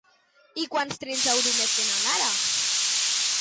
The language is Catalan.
I quants trens Euromed tenen ara?